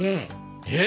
えっ？